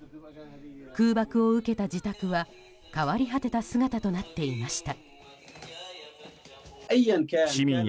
空爆を受けた自宅は変わり果てた姿となっていました。